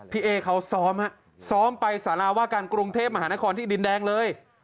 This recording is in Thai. พี่เอเขาซ้อมฮะซ้อมไปสาราว่าการกรุงเทพมหานครที่ดินแดงเลย